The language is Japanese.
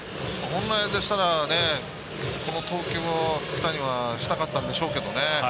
本来でしたらこの投球を福谷はしたかったんでしょうけど。